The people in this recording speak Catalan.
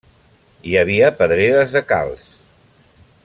Hi havia pedreres de calç.